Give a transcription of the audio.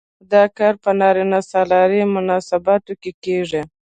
دا کار په نارینه سالارو مناسباتو کې کیږي.